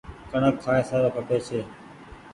ڪڻڪ کآئي سارو کپي ڇي۔